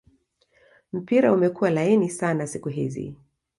mpira umekua laini sana siku hizi